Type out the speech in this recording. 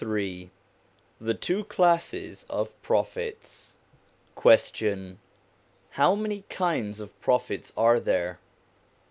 XLIII THE TWO CLASSES OF PROPHETS Question. How many kinds of Prophets are there